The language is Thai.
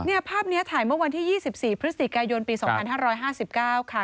ภาพนี้ถ่ายเมื่อวันที่๒๔พฤศจิกายนปี๒๕๕๙ค่ะ